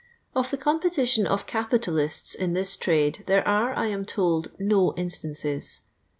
Of the competition of capitalists in this trade there are, I am told, no instances.